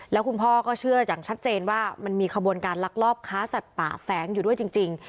แล้วคุณพ่อก็เชื่ออย่างชัดเจนว่ามันมีขบวนการลักลอบค้าสัตว์ป่าแฝงอยู่ด้วยจริง